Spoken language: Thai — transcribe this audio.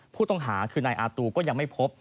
ผู้ต้องหาคือนายอาตูก็ยังไม่พบ